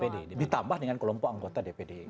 ditambah dengan kelompok anggota dpr